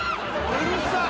うるさっ！